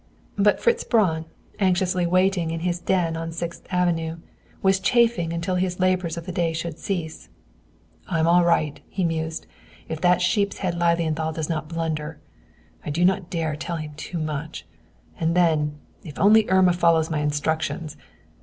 But Fritz Braun, anxiously waiting in his den on Sixth Avenue, was chafing until his labors of the day should cease. "I'm all right," he mused, "if that sheepshead Lilienthal does not blunder. I do not dare to tell him too much. And then, if only Irma follows my instructions.